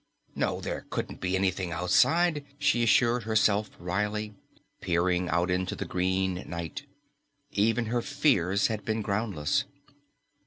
No, there couldn't be anything outside, she assured herself wryly, peering out into the green night. Even her fears had been groundless.